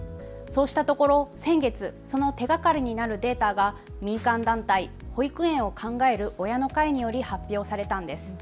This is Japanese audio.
そうしたところ先月、その手がかりになるデータが民間団体、保育園を考える親の会により発表されたんです。